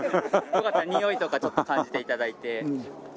よかったらにおいとかちょっと感じて頂いて。